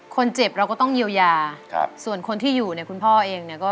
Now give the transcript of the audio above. คนเจ็บเราก็ต้องเยียวยาครับส่วนคนที่อยู่เนี่ยคุณพ่อเองเนี่ยก็